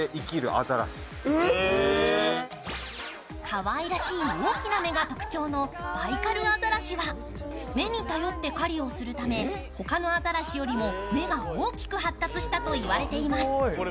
かわいらしい大きな目が特徴のバイカルアザラシは目に頼って狩りをするため、他のアザラシよりも目が大きく発達したと言われています。